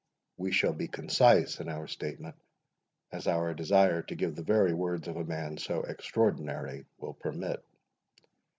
We shall be as concise in our statement, as our desire to give the very words of a man so extraordinary will permit.